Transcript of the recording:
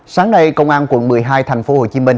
sáng nay công an quận một mươi hai tp hcm